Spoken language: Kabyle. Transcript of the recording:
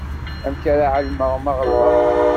Amek ara εelmeɣ ma ɣelḍeɣ?